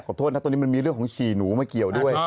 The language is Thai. โทษนะตอนนี้มันมีเรื่องของฉี่หนูมาเกี่ยวด้วย